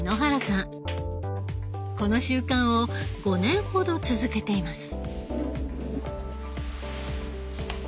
この習慣を５年ほど続けています。